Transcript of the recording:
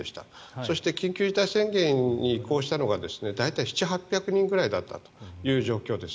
そして、緊急事態宣言に移行したのが大体７００８００人ぐらいだったという状況です。